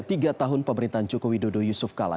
tiga tahun pemerintahan joko widodo yusuf kala